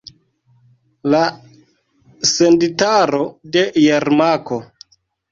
La senditaro de Jermako.